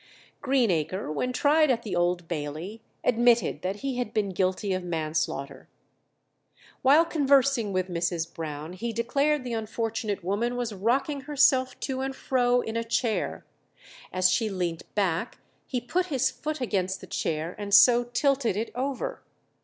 Greenacre, when tried at the Old Bailey, admitted that he had been guilty of manslaughter. While conversing with Mrs. Brown, he declared the unfortunate woman was rocking herself to and fro in a chair; as she leant back he put his foot against the chair, and so tilted it over.